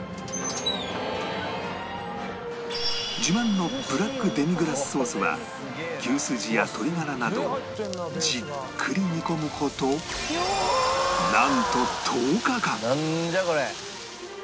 自慢のブラックデミグラスソースは牛すじや鶏ガラなどをじっくり煮込む事なんと１０日間なんじゃこれ。